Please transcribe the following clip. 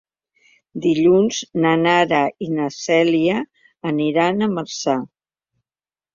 Dilluns na Lara i na Cèlia aniran a Marçà.